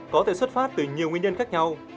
có thể xuất phát từ nhiều nguyên nhân khác nhau